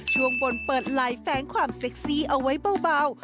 ช่วงบนเปิดไลน์แฟ้งความเซ็กซี่เอาไว้เบา